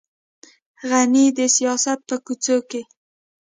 غني د سیاست په کوڅو کې.